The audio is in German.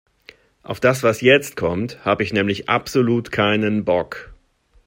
Auf das, was jetzt kommt, habe ich nämlich absolut keinen Bock.